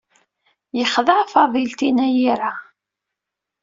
Yexdeɛ Fadil tin ay ira.